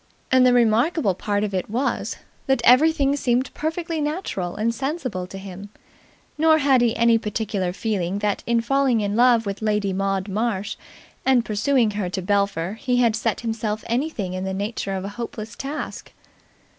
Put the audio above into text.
And the remarkable part of it was that everything seemed perfectly natural and sensible to him, nor had he any particular feeling that in falling in love with Lady Maud Marsh and pursuing her to Belpher he had set himself anything in the nature of a hopeless task.